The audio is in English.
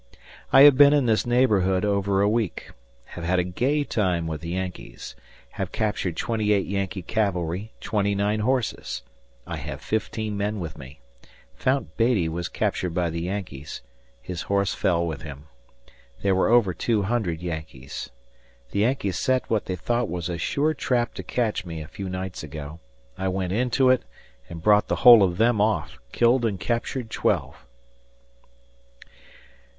I have been in this neighborhood over a week. Have had a gay time with the Yankees. Have captured twenty eight Yankee cavalry, twenty nine horses. ... I have 15 men with me ... Fount Beattie was captured by the Yankees, his horse fell with him. There were over two hundred Yankees. The Yankees set what they thought was a sure trap to catch me a few nights ago. I went into it and brought the whole of them off, killed and captured twelve.